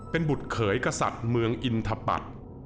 เป็นบุตรเขยกษัตริย์เมืองอินทปัตย์